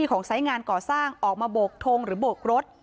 ที่ของทรายงานเกาะสร้างออกมาโบกทงหรือโบกรถ